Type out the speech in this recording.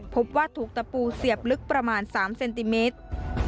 พบว่าถูกตะปูเสียบลึกประมาณ๓เซนติเมตร